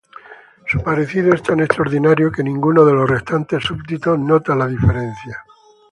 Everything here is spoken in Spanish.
Su parecido es tan extraordinario que ninguno de los restantes súbditos nota la diferencia.